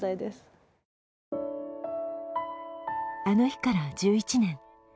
あの日から１１年。